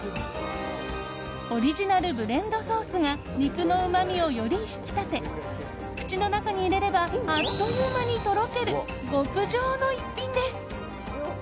オリジナルブレンドソースが肉のうまみをより引き立て口の中に入れればあっという間にとろける極上の一品です。